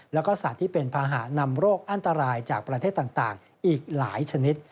แล้วก็สัตว์ที่เป็นภาหะนำโรคอันตรายจากประเทศต่างอีกหลายชนิด